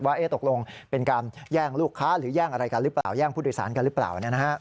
ว่าตกลงเป็นการแย่งลูกค้าหรือแย่งพุทธโปรศัตริย์กันหรือเปล่า